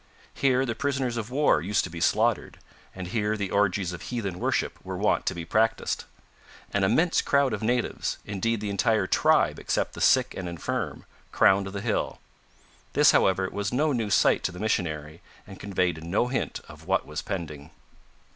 Here the prisoners of war used to be slaughtered, and here the orgies of heathen worship were wont to be practised. An immense crowd of natives indeed the entire tribe except the sick and infirm crowned the hill. This, however, was no new sight to the missionary, and conveyed no hint of what was pending.